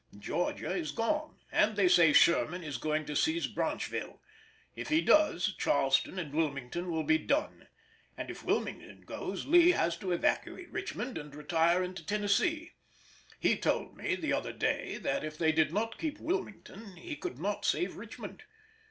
Georgia is gone, and they say Sherman is going to seize Branchville; if he does, Charleston and Wilmington will be done—and if Wilmington goes Lee has to evacuate Richmond and retire into Tennessee. He told me the other day, that if they did not keep Wilmington he could not save Richmond.